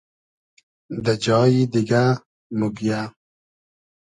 دہ جایی دیگۂ موگیۂ